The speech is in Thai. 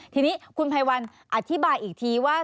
ทีนี้คุณภัยวันอธิบายอีกทีว่า